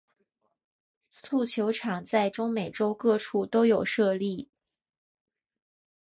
蹴球场在中美洲各处都有设立。